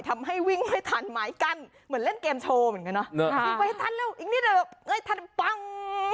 ทำให้วิ่งเหมือนแบบเรื่องเกมโชว์เหมือนกันบ้าง